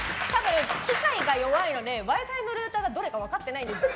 機械が弱いのでＷｉ‐Ｆｉのルーターがどれか分かってないです。